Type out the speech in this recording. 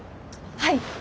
はい。